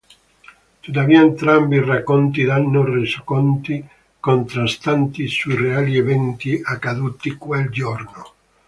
Tuttavia entrambi i racconti danno resoconti contrastanti sui reali eventi accaduti quel giorno.